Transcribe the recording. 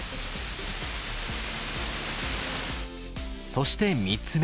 そして３つ目。